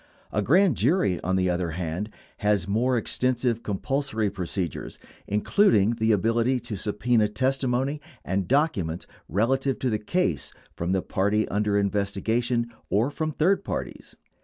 A grand jury, on the other hand, has more extensive compulsory procedures, including the ability to subpena testimony and documents relevant to the case from the party under investigation or from third parties.